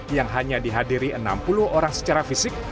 yang hanya dihadiri enam puluh orang secara fisik